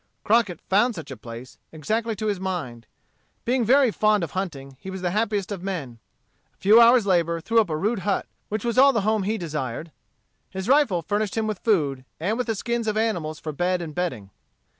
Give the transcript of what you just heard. Crockett found such a place, exactly to his mind. Being very fond of hunting, he was the happiest of men. A few hours' labor threw up a rude hut which was all the home he desired. His rifle furnished him with food, and with the skins of animals for bed and bedding.